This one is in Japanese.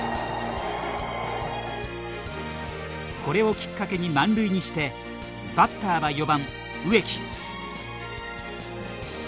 これをきっかけに満塁にしてバッターは４番・植木。